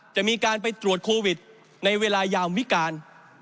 จะมีการไปตรวจโควิดในเวลายามวิการ